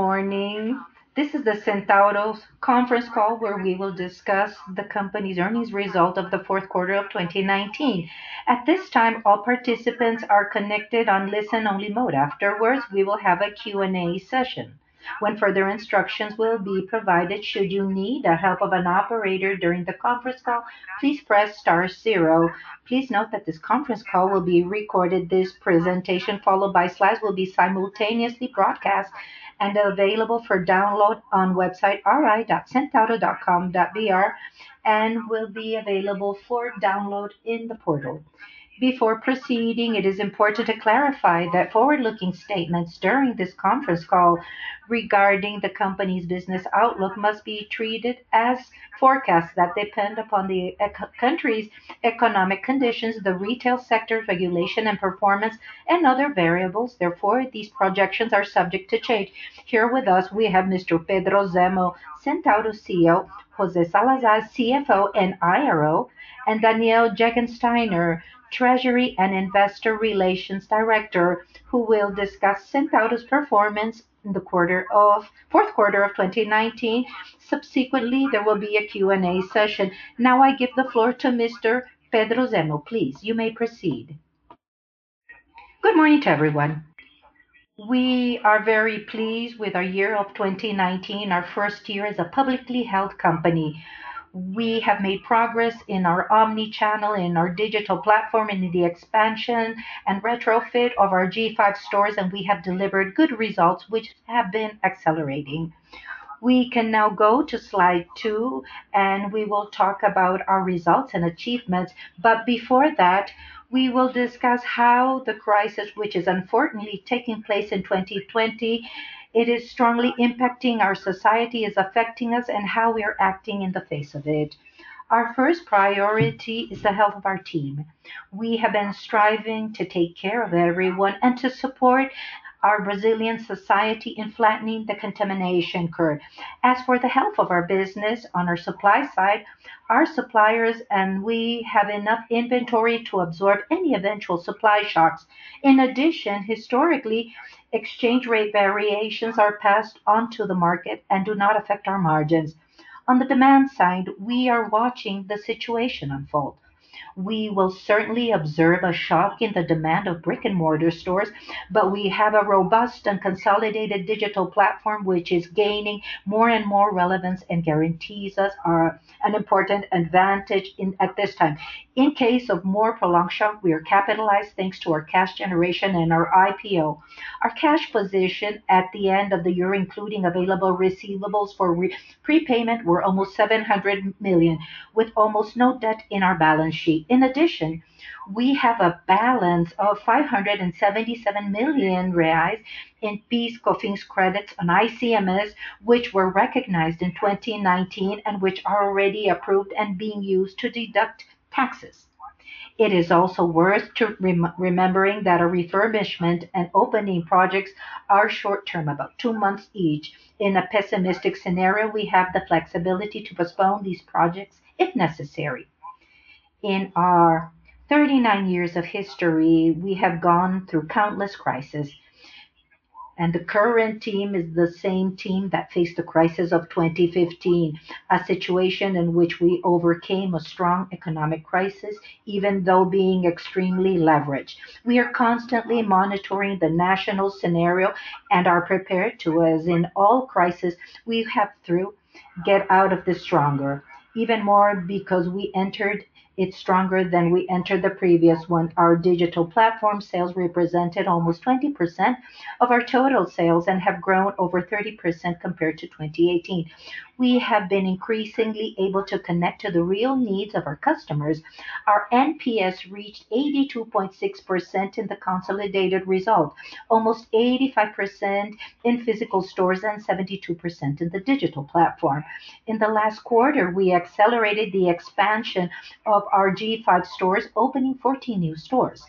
Good morning. This is the Centauro conference call where we will discuss the company's earnings result of the fourth quarter of 2019. At this time, all participants are connected on listen-only mode. Afterwards, we will have a Q&A session when further instructions will be provided. Should you need the help of an operator during the conference call, please press star zero. Please note that this conference call will be recorded. This presentation, followed by slides, will be simultaneously broadcast and available for download on website ri.gruposbf.com.br and will be available for download in the portal. Before proceeding, it is important to clarify that forward-looking statements during this conference call regarding the company's business outlook must be treated as forecasts that depend upon the country's economic conditions, the retail sector's regulation and performance, and other variables. These projections are subject to change. Here with us, we have Mr. Pedro Zemel, Centauro CEO, José Salazar, CFO and IRO, and Daniel Regensteiner, Treasury and Investor Relations Director, who will discuss Centauro's performance in the fourth quarter of 2019. Subsequently, there will be a Q&A session. Now I give the floor to Mr. Pedro Zemel. Please, you may proceed. Good morning to everyone. We are very pleased with our year of 2019, our first year as a publicly held company. We have made progress in our omnichannel, in our digital platform, and in the expansion and retrofit of our G5 stores, and we have delivered good results which have been accelerating. We can now go to slide two, and we will talk about our results and achievements. Before that, we will discuss how the crisis, which is unfortunately taking place in 2020, it is strongly impacting our society, is affecting us, and how we are acting in the face of it. Our first priority is the health of our team. We have been striving to take care of everyone and to support our Brazilian society in flattening the contamination curve. As for the health of our business on our supply side, our suppliers and we have enough inventory to absorb any eventual supply shocks. In addition, historically, exchange rate variations are passed on to the market and do not affect our margins. On the demand side, we are watching the situation unfold. We will certainly observe a shock in the demand of brick-and-mortar stores, but we have a robust and consolidated digital platform, which is gaining more and more relevance and guarantees us an important advantage at this time. In case of more prolonged shock, we are capitalized thanks to our cash generation and our IPO. Our cash position at the end of the year, including available receivables for prepayment, were 700 million, with almost no debt in our balance sheet. In addition, we have a balance of 577 million reais in PIS/COFINS credits on ICMS, which were recognized in 2019 and which are already approved and being used to deduct taxes. It is also worth remembering that our refurbishment and opening projects are short-term, about two months each. In a pessimistic scenario, we have the flexibility to postpone these projects if necessary. In our 39 years of history, we have gone through countless crises, and the current team is the same team that faced the crisis of 2015, a situation in which we overcame a strong economic crisis, even though being extremely leveraged. We are constantly monitoring the national scenario and are prepared to, as in all crises we have through, get out of this stronger. Even more because we entered it stronger than we entered the previous one. Our digital platform sales represented almost 20% of our total sales and have grown over 30% compared to 2018. We have been increasingly able to connect to the real needs of our customers. Our NPS reached 82.6% in the consolidated result, almost 85% in physical stores and 72% in the digital platform. In the last quarter, we accelerated the expansion of our G5 stores, opening 14 new stores.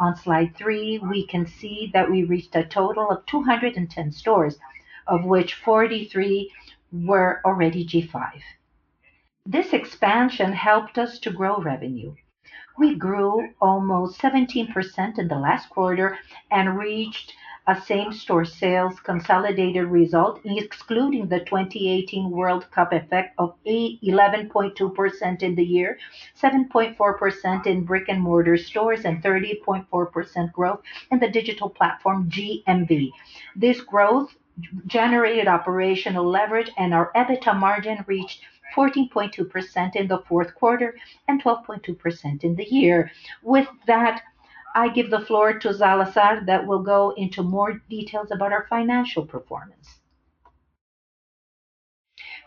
On slide three, we can see that we reached a total of 210 stores, of which 43 were already G5. This expansion helped us to grow revenue. We grew almost 17% in the last quarter and reached a same-store sales consolidated result, excluding the 2018 World Cup effect of 11.2% in the year, 7.4% in brick-and-mortar stores, and 30.4% growth in the digital platform GMV. This growth generated operational leverage, and our EBITDA margin reached 14.2% in the fourth quarter and 12.2% in the year. With that, I give the floor to Salazar that will go into more details about our financial performance.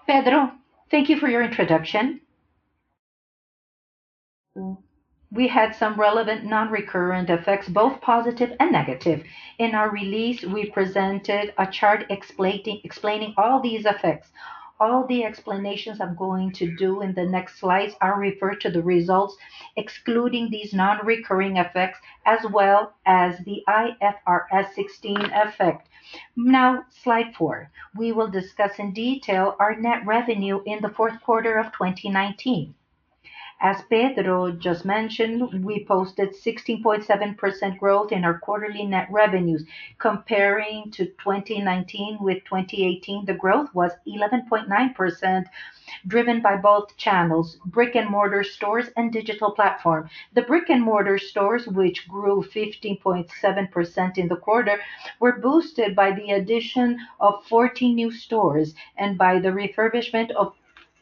Pedro, thank you for your introduction. We had some relevant non-recurrent effects, both positive and negative. In our release, we presented a chart explaining all these effects. All the explanations I'm going to do in the next slides are referred to the results excluding these non-recurring effects as well as the IFRS 16 effect. Slide four. We will discuss in detail our net revenue in the fourth quarter of 2019. As Pedro just mentioned, we posted 16.7% growth in our quarterly net revenues. Comparing to 2019 with 2018, the growth was 11.9%, driven by both channels, brick-and-mortar stores and digital platform. The brick-and-mortar stores, which grew 15.7% in the quarter, were boosted by the addition of 14 new stores and by the refurbishment of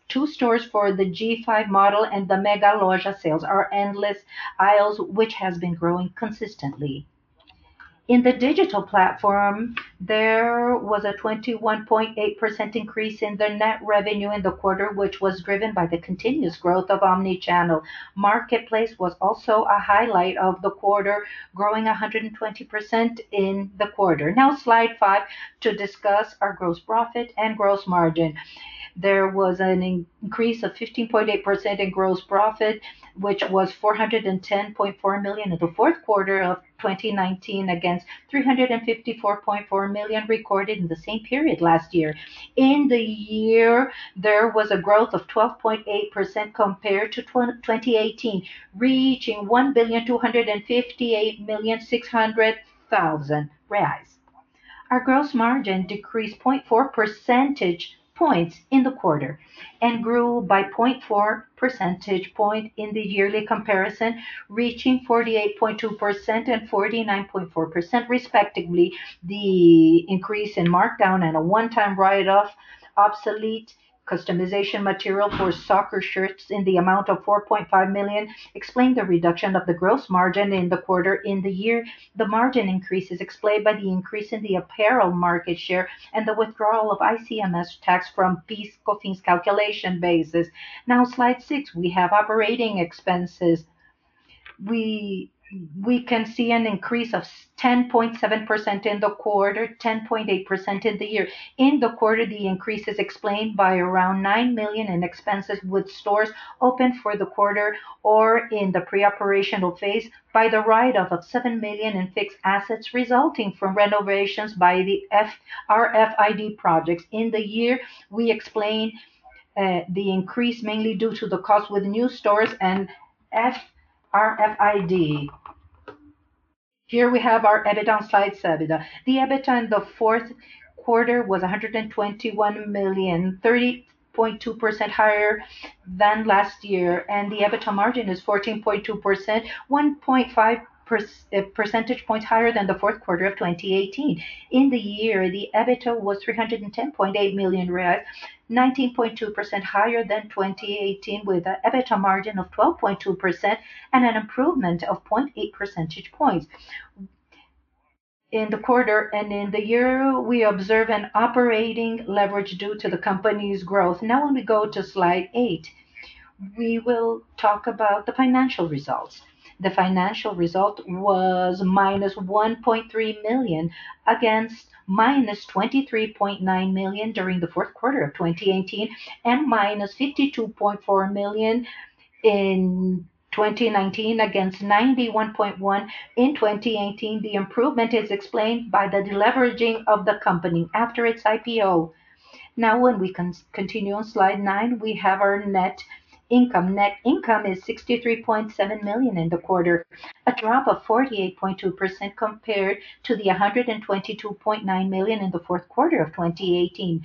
two stores for the G5 model and the Mega Loja sales, our endless aisles, which has been growing consistently. In the digital platform, there was a 21.8% increase in the net revenue in the quarter, which was driven by the continuous growth of omnichannel. Marketplace was also a highlight of the quarter, growing 120% in the quarter. Now, slide five, to discuss our gross profit and gross margin. There was an increase of 15.8% in gross profit, which was 410.4 million in the fourth quarter of 2019 against 354.4 million recorded in the same period last year. In the year, there was a growth of 12.8% compared to 2018, reaching 1,258.6 million reais. Our gross margin decreased 0.4 percentage points in the quarter and grew by 0.4 percentage point in the yearly comparison, reaching 48.2% and 49.4% respectively. The increase in markdown and a one-time write-off obsolete customization material for soccer shirts in the amount of 4.5 million explain the reduction of the gross margin in the quarter. In the year, the margin increase is explained by the increase in the apparel market share and the withdrawal of ICMS tax from PIS/COFINS calculation basis. Slide six, we have operating expenses. We can see an increase of 10.7% in the quarter, 10.8% in the year. In the quarter, the increase is explained by around 9 million in expenses with stores open for the quarter or in the pre-operational phase by the write-off of 7 million in fixed assets resulting from renovations by the RFID projects. In the year, we explain the increase mainly due to the cost with new stores and RFID. We have our EBITDA on slide seven. The EBITDA in the fourth quarter was 121 million, 30.2% higher than last year, and the EBITDA margin is 14.2%, 1.5 percentage points higher than the fourth quarter of 2018. In the year, the EBITDA was 310.8 million, 19.2% higher than 2018, with an EBITDA margin of 12.2% and an improvement of 0.8 percentage points. When we go to slide eight, we will talk about the financial results. The financial result was -1.3 million against -23.9 million during the fourth quarter of 2018, and -52.4 million in 2019 against 91.1 million in 2018. The improvement is explained by the deleveraging of the company after its IPO. When we continue on slide nine, we have our net income. Net income is 63.7 million in the quarter, a drop of 48.2% compared to the 122.9 million in the fourth quarter of 2018.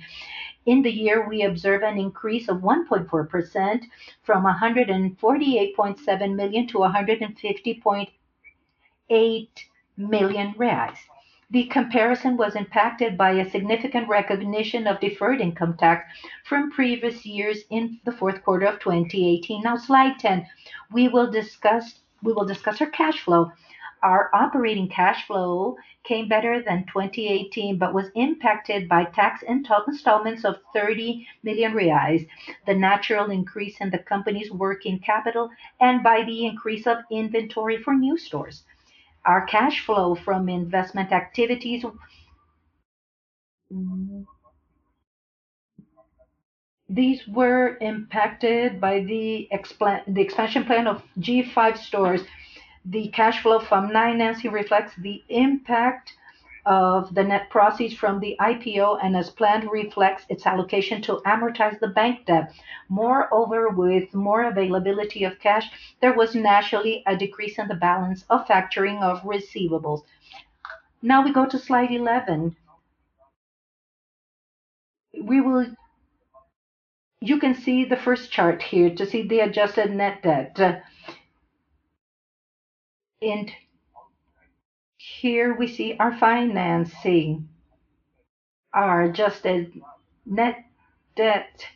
In the year, we observe an increase of 1.4% from 148.7 million-150.8 million reais. The comparison was impacted by a significant recognition of deferred income tax from previous years in the fourth quarter of 2018. Slide 10, we will discuss our cash flow. Our operating cash flow came better than 2018 but was impacted by tax and total installments of 30 million reais, the natural increase in the company's working capital, and by the increase of inventory for new stores. Our cash flow from investment activities. These were impacted by the expansion plan of G5 stores. The cash flow from financing reflects the impact of the net proceeds from the IPO and as planned, reflects its allocation to amortize the bank debt. Moreover, with more availability of cash, there was naturally a decrease in the balance of factoring of receivables. Now we go to slide 11. You can see the first chart here to see the adjusted net debt. Here we see our financing. Our adjusted net debt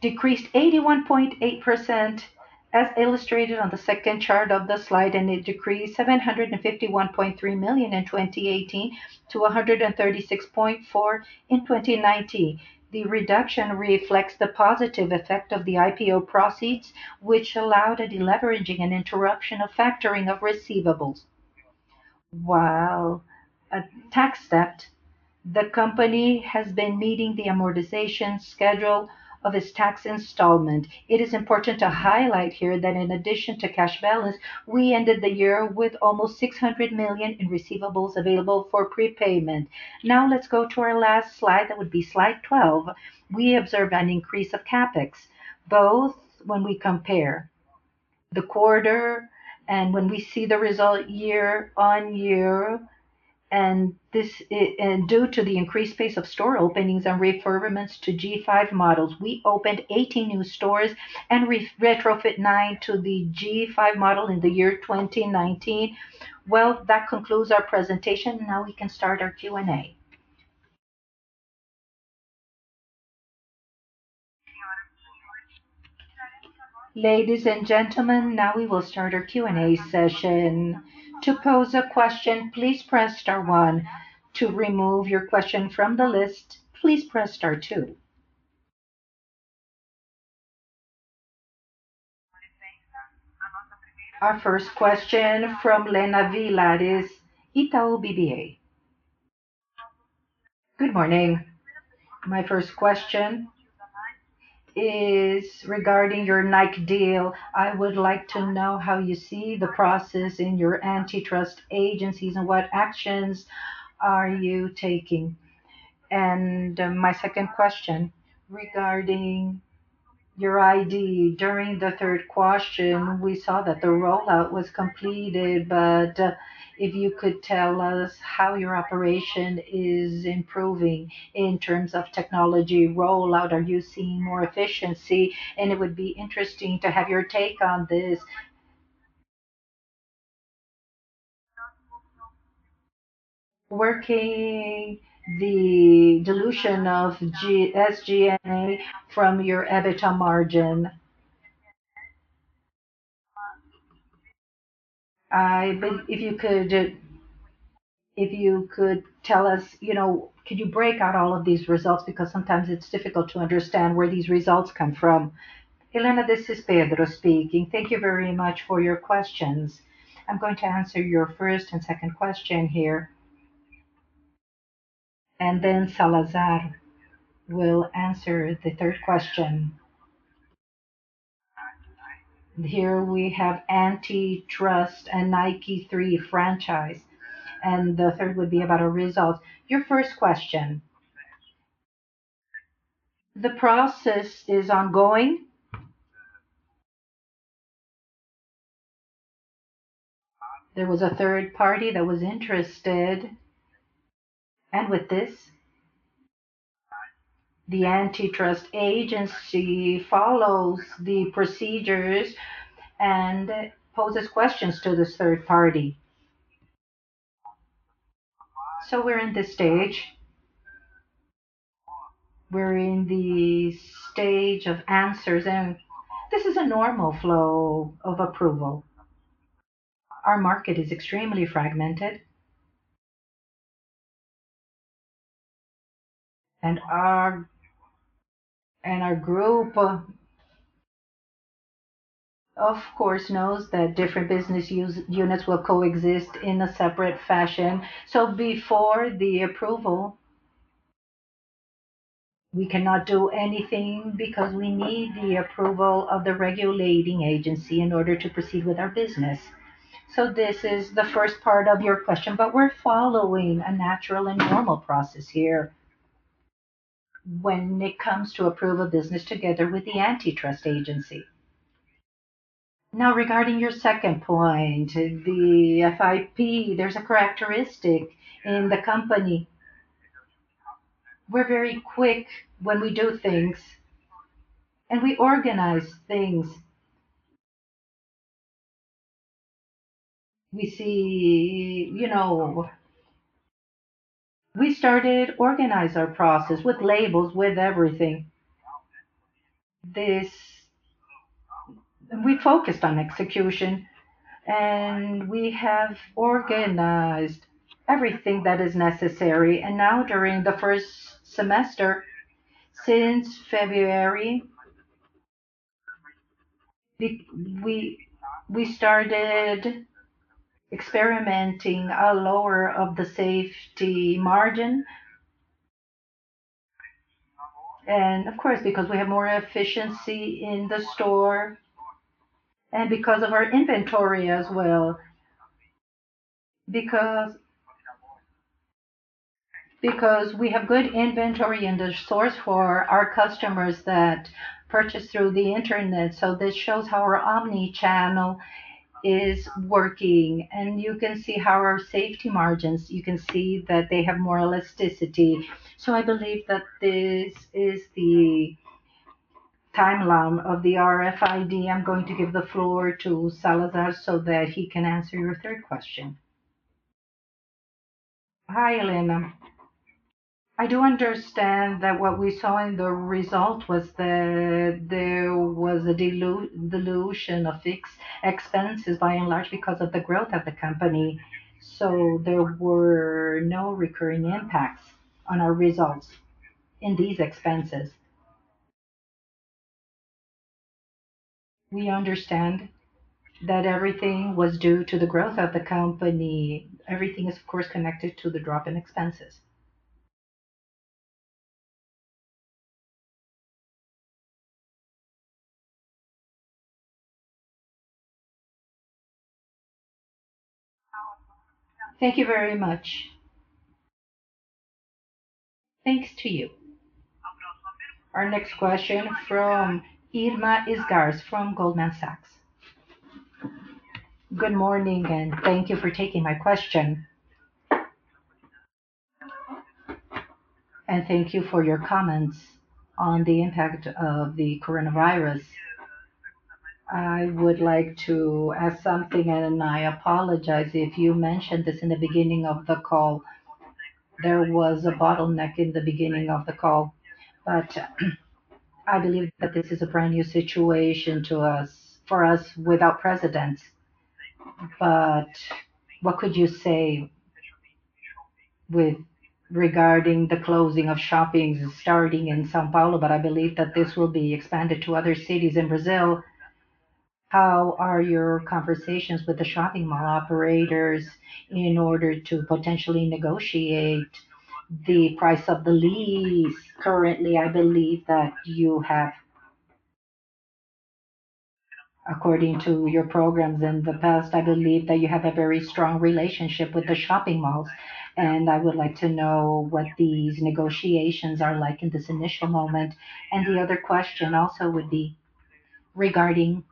decreased 81.8%, as illustrated on the second chart of the slide, and it decreased 751.3 million in 2018 to 136.4 million in 2019. The reduction reflects the positive effect of the IPO proceeds, which allowed a deleveraging and interruption of factoring of receivables. While at tax debt, the company has been meeting the amortization schedule of its tax installment. It is important to highlight here that in addition to cash balance, we ended the year with almost 600 million in receivables available for prepayment. Let's go to our last slide, that would be slide 12. We observe an increase of CapEx both when we compare the quarter and when we see the result year-on-year. Due to the increased pace of store openings and refurbishments to G5 models, we opened 18 new stores and retrofit nine to the G5 model in the year 2019. Well, that concludes our presentation. We can start our Q&A. Ladies and gentlemen, we will start our Q&A session. To pose a question, please press star one. To remove your question from the list, please press star two. Our first question from Helena Villar is Itaú BBA. Good morning. My first question is regarding your Nike deal. I would like to know how you see the process in your antitrust agencies and what actions are you taking. My second question regarding your RFID. During the third question, we saw that the rollout was completed, but if you could tell us how your operation is improving in terms of technology rollout. Are you seeing more efficiency? It would be interesting to have your take on this. Working the dilution of SG&A from your EBITDA margin. If you could tell us, could you break out all of these results because sometimes it's difficult to understand where these results come from. Helena, this is Pedro speaking. Thank you very much for your questions. I'm going to answer your first and second question here. Salazar will answer the third question. Here we have antitrust and the Nike franchise. The third would be about a result. Your first question. The process is ongoing. There was a third party that was interested. With this, the antitrust agency follows the procedures and poses questions to this third party. We're in this stage. We're in the stage of answers. This is a normal flow of approval. Our market is extremely fragmented. Our group, of course, knows that different business units will coexist in a separate fashion. Before the approval, we cannot do anything because we need the approval of the regulating agency in order to proceed with our business. This is the first part of your question, but we're following a natural and normal process here when it comes to approval of business together with the antitrust agency. Now, regarding your second point, the FIP, there's a characteristic in the company. We're very quick when we do things, and we organize things. We started organize our process with labels, with everything. We focused on execution, and we have organized everything that is necessary. Now during the first semester, since February, we started experimenting a lower of the safety margin. Of course, because we have more efficiency in the store and because of our inventory as well, because we have good inventory in the stores for our customers that purchase through the internet. This shows how our omnichannel is working, and you can see how our safety margins, you can see that they have more elasticity. I believe that this is the timeline of the RFID. I'm going to give the floor to Salazar so that he can answer your third question. Hi, Helena. I do understand that what we saw in the result was that there was a dilution of fixed expenses by and large because of the growth of the company. There were no recurring impacts on our results in these expenses. We understand that everything was due to the growth of the company. Everything is, of course, connected to the drop in expenses. Thank you very much. Thanks to you. Our next question from Irma Sgarz from Goldman Sachs. Good morning, and thank you for taking my question. Thank you for your comments on the impact of the coronavirus. I would like to ask something. I apologize if you mentioned this in the beginning of the call. There was a bottleneck in the beginning of the call. I believe that this is a brand-new situation for us without precedence. What could you say regarding the closing of shoppings starting in São Paulo, but I believe that this will be expanded to other cities in Brazil. How are your conversations with the shopping mall operators in order to potentially negotiate the price of the lease? According to your programs in the past, I believe that you have a very strong relationship with the shopping malls, and I would like to know what these negotiations are like in this initial moment. The other question also would be regarding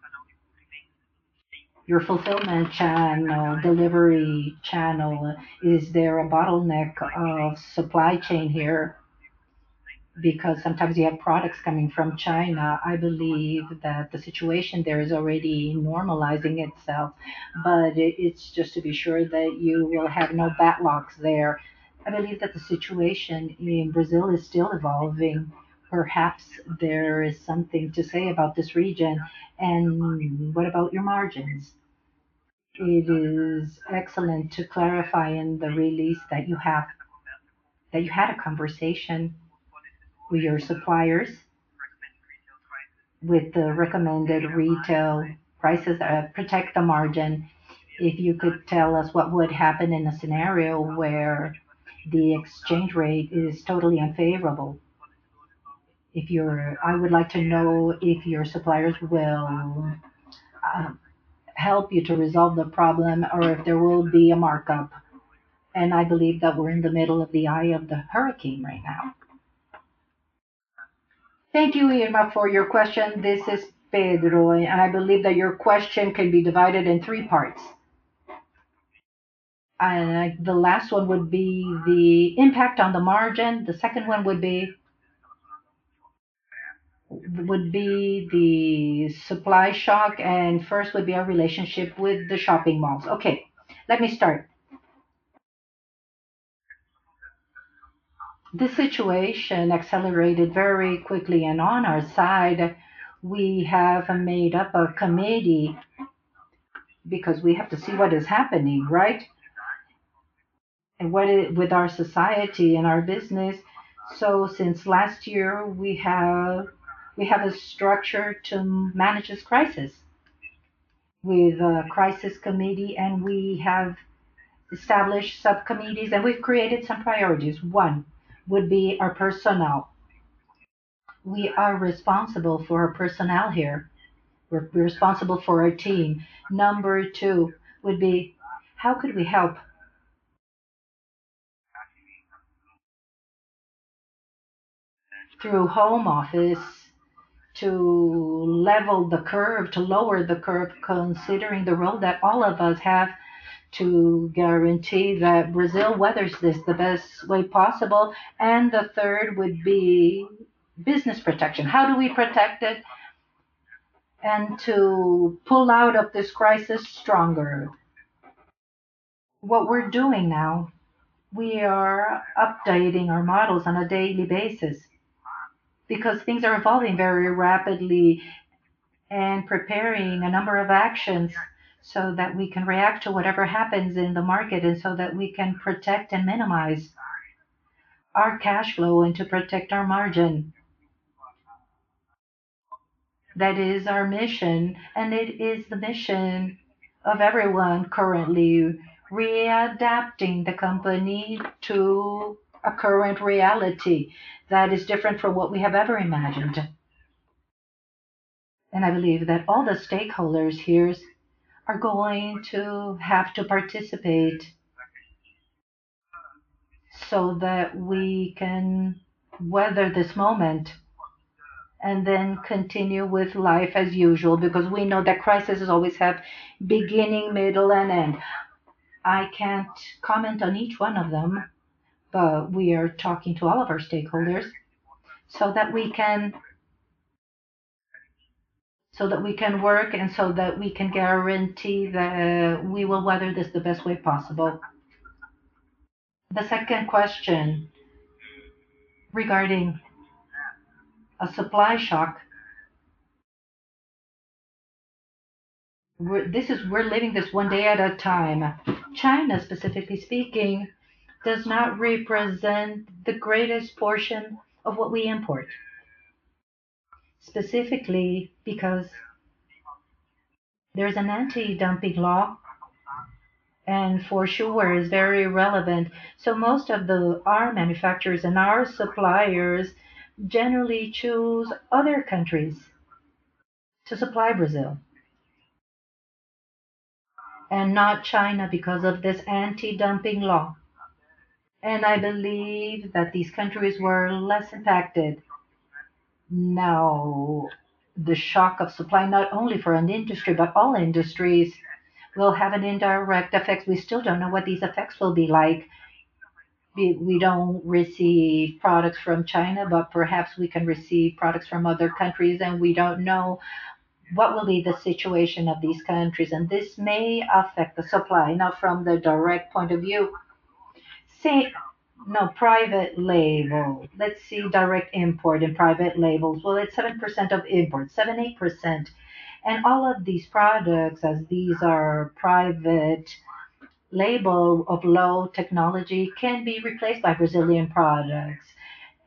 your fulfillment channel, delivery channel. Is there a bottleneck of supply chain here? Sometimes you have products coming from China. I believe that the situation there is already normalizing itself, but it's just to be sure that you will have no backlogs there. I believe that the situation in Brazil is still evolving. Perhaps there is something to say about this region. What about your margins? It is excellent to clarify in the release that you had a conversation with your suppliers with the recommended retail prices to protect the margin. If you could tell us what would happen in a scenario where the exchange rate is totally unfavorable. I would like to know if your suppliers will help you to resolve the problem or if there will be a markup. I believe that we're in the middle of the eye of the hurricane right now. Thank you, Irma, for your question. This is Pedro. I believe that your question can be divided in three parts. The last one would be the impact on the margin, the second one would be the supply shock, and first would be our relationship with the shopping malls. Okay. Let me start. The situation accelerated very quickly, and on our side, we have made up a committee because we have to see what is happening, right, with our society and our business. Since last year, we have a structure to manage this crisis with a crisis committee, and we have established subcommittees, and we've created some priorities. One would be our personnel. We are responsible for our personnel here. We're responsible for our team. Number two would be, how could we help through home office to level the curve, to lower the curve, considering the role that all of us have to guarantee that Brazil weathers this the best way possible. The third would be business protection. How do we protect it and to pull out of this crisis stronger? What we're doing now, we are updating our models on a daily basis because things are evolving very rapidly, and preparing a number of actions so that we can react to whatever happens in the market, and so that we can protect and minimize our cash flow and to protect our margin. That is our mission, and it is the mission of everyone currently readapting the company to a current reality that is different from what we have ever imagined. I believe that all the stakeholders here are going to have to participate so that we can weather this moment and then continue with life as usual, because we know that crises always have beginning, middle, and end. We are talking to all of our stakeholders so that we can work and so that we can guarantee that we will weather this the best way possible. The second question regarding a supply shock. We're living this one day at a time. China, specifically speaking, does not represent the greatest portion of what we import. Specifically because there's an anti-dumping law and for sure is very relevant. Most of our manufacturers and our suppliers generally choose other countries to supply Brazil. Not China because of this anti-dumping law. I believe that these countries were less impacted. The shock of supply, not only for an industry, but all industries will have an indirect effect. We still don't know what these effects will be like. We don't receive products from China, but perhaps we can receive products from other countries, and we don't know what will be the situation of these countries, and this may affect the supply. From the direct point of view, say now private label. Let's see, direct import and private labels. Well, it's 7% of imports, seven, 8%, and all of these products, as these are private label of low technology, can be replaced by Brazilian products.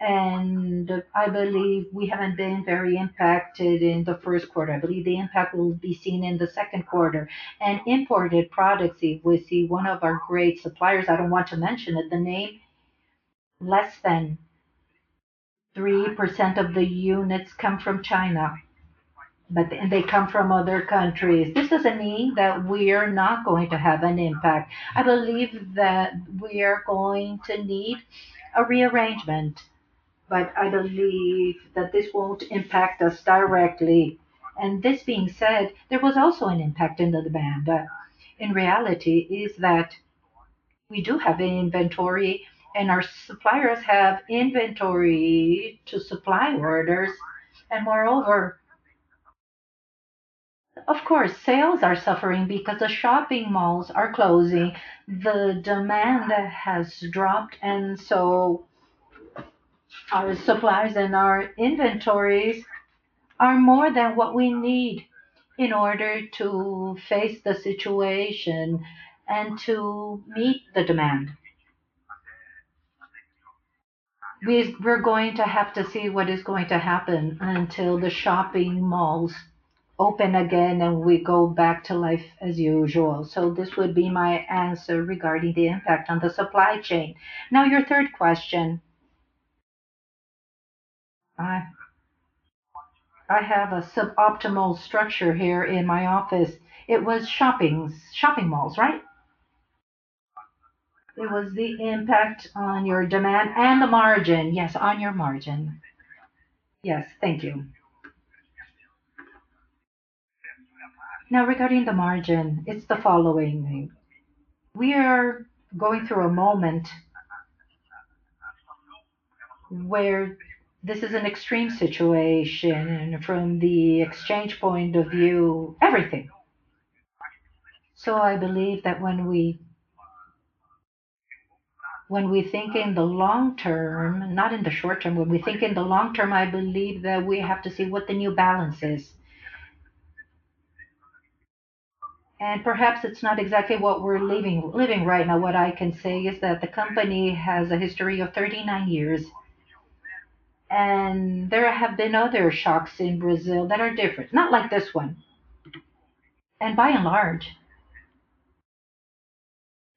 I believe we haven't been very impacted in the first quarter. I believe the impact will be seen in the second quarter. Imported products, if we see one of our great suppliers, I don't want to mention it, the name, less than 3% of the units come from China. They come from other countries. This doesn't mean that we're not going to have an impact. I believe that we are going to need a rearrangement, but I believe that this won't impact us directly. This being said, there was also an impact in the demand. In reality, is that we do have inventory and our suppliers have inventory to supply orders. Moreover, of course, sales are suffering because the shopping malls are closing. The demand has dropped, and so our suppliers and our inventories are more than what we need in order to face the situation and to meet the demand. We're going to have to see what is going to happen until the shopping malls open again and we go back to life as usual. This would be my answer regarding the impact on the supply chain. Your third question. I have a suboptimal structure here in my office. It was shopping malls, right? It was the impact on your demand and the margin. Yes, on your margin. Yes. Thank you. Regarding the margin, it's the following. We are going through a moment where this is an extreme situation from the exchange point of view, everything. I believe that when we think in the long term, not in the short term, when we think in the long term, I believe that we have to see what the new balance is. Perhaps it's not exactly what we're living right now. What I can say is that the company has a history of 39 years, and there have been other shocks in Brazil that are different, not like this one. By and large,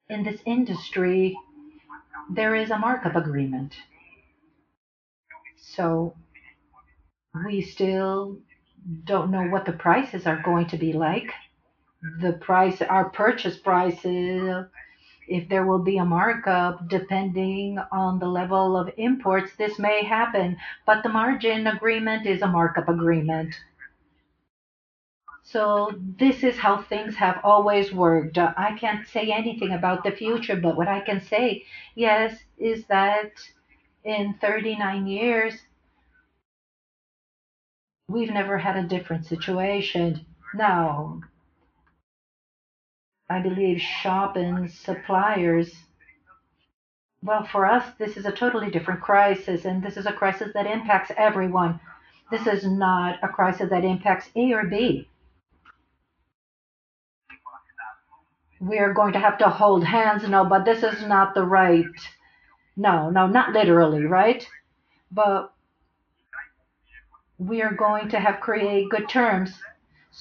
in this industry, there is a markup agreement. We still don't know what the prices are going to be like. Our purchase prices, if there will be a markup, depending on the level of imports, this may happen, but the margin agreement is a markup agreement. This is how things have always worked. I can't say anything about the future, but what I can say, yes, is that in 39 years, we've never had a different situation. For us, this is a totally different crisis. This is a crisis that impacts everyone. This is not a crisis that impacts A or B. We are going to have to hold hands. No, not literally, right? We are going to have create good terms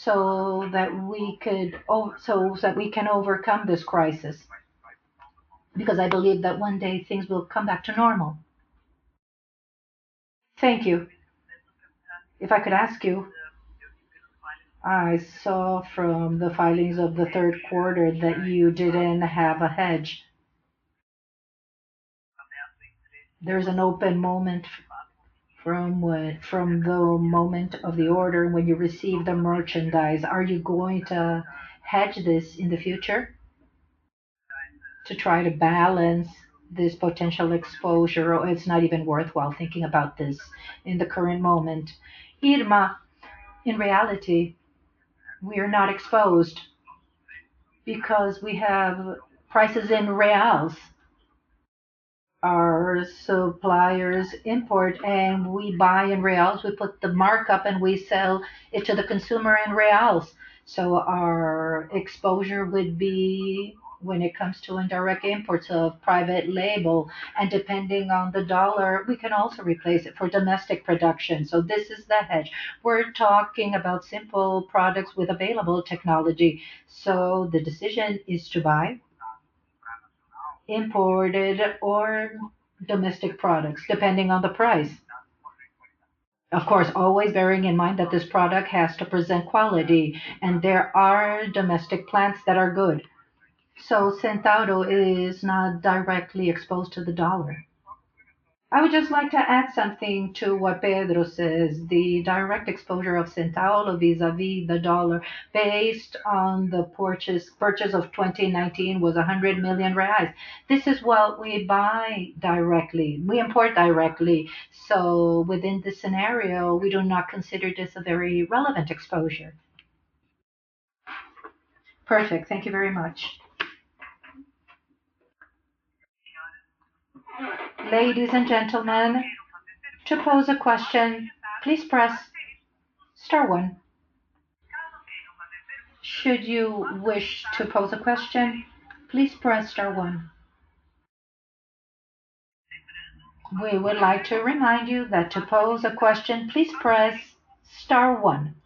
so that we can overcome this crisis. I believe that one day things will come back to normal. Thank you. If I could ask you, I saw from the filings of the third quarter that you didn't have a hedge. There's an open moment from the moment of the order when you receive the merchandise. Are you going to hedge this in the future to try to balance this potential exposure? It's not even worthwhile thinking about this in the current moment? Irma, in reality, we are not exposed because we have prices in BRL. Our suppliers import and we buy in BRL. We put the markup and we sell it to the consumer in BRL. Our exposure would be when it comes to indirect imports of private label. Depending on the dollar, we can also replace it for domestic production. This is the hedge. We're talking about simple products with available technology. The decision is to buy imported or domestic products, depending on the price. Of course, always bearing in mind that this product has to present quality, and there are domestic plants that are good. Centauro is not directly exposed to the dollar. I would just like to add something to what Pedro says. The direct exposure of Centauro vis-a-vis the dollar based on the purchase of 2019 was 100 million reais. This is what we buy directly. We import directly. Within this scenario, we do not consider this a very relevant exposure. Perfect. Thank you very much. Ladies and gentlemen, to pose a question, please press star one. Should you wish to pose a question, please press star one. We would like to remind you that to pose a question, please press star one.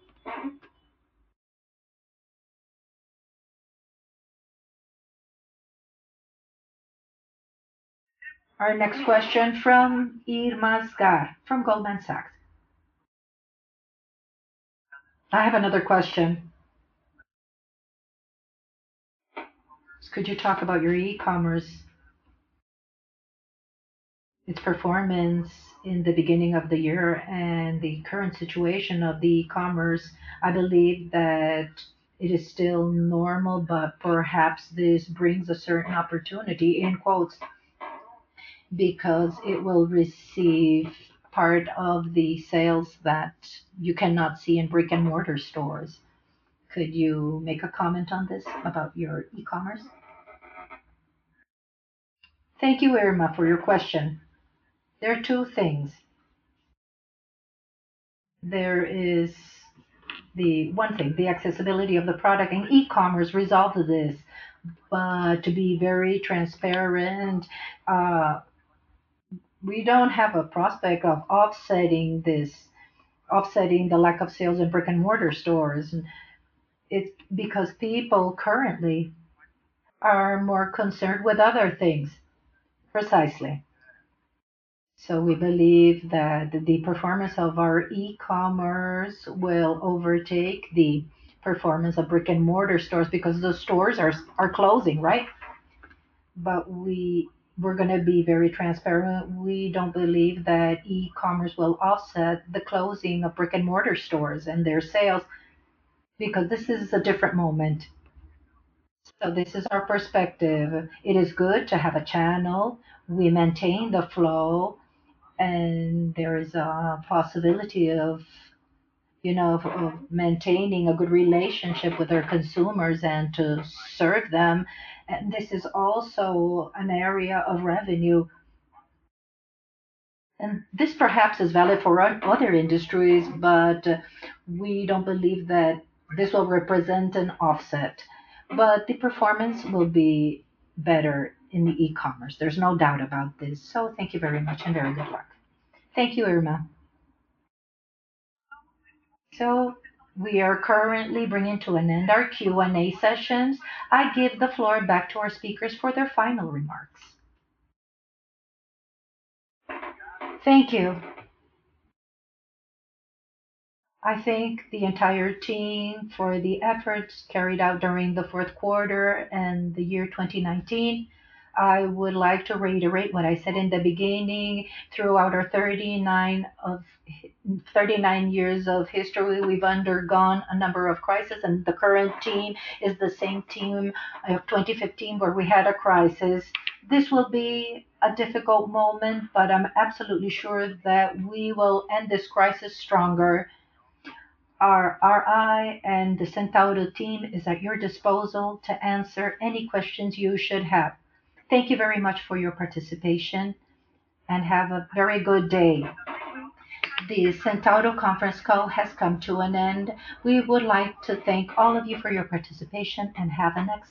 Our next question from Irma Sgarz from Goldman Sachs. I have another question. Could you talk about your e-commerce, its performance in the beginning of the year and the current situation of the e-commerce? I believe that it is still normal, but perhaps this brings a certain opportunity, in quotes, because it will receive part of the sales that you cannot see in brick-and-mortar stores. Could you make a comment on this, about your e-commerce? Thank you, Irma, for your question. There are two things. There is one thing, the accessibility of the product, and e-commerce resolved this. To be very transparent, we don't have a prospect of offsetting the lack of sales in brick-and-mortar stores. It's because people currently are more concerned with other things, precisely. We believe that the performance of our e-commerce will overtake the performance of brick-and-mortar stores because those stores are closing, right? We're going to be very transparent. We don't believe that e-commerce will offset the closing of brick-and-mortar stores and their sales because this is a different moment. This is our perspective. It is good to have a channel. We maintain the flow, and there is a possibility of maintaining a good relationship with our consumers and to serve them. This is also an area of revenue. This perhaps is valid for other industries, but we don't believe that this will represent an offset. The performance will be better in the e-commerce. There's no doubt about this. Thank you very much and very good luck. Thank you, Irma. We are currently bringing to an end our Q&A sessions. I give the floor back to our speakers for their final remarks. Thank you. I thank the entire team for the efforts carried out during the fourth quarter and the year 2019. I would like to reiterate what I said in the beginning. Throughout our 39 years of history, we've undergone a number of crises, and the current team is the same team of 2015 where we had a crisis. This will be a difficult moment, but I'm absolutely sure that we will end this crisis stronger. I and the Centauro team is at your disposal to answer any questions you should have. Thank you very much for your participation, and have a very good day. The Centauro conference call has come to an end. We would like to thank all of you for your participation, and have an excellent.